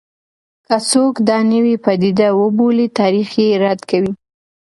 که څوک دا نوې پدیده وبولي، تاریخ یې رد کوي.